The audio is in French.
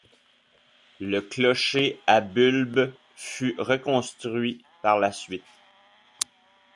Le clocher à bulbe fut reconstruit par la suite.